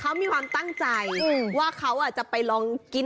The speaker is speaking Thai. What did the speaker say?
เขามีความตั้งใจว่าเขาจะไปลองกิน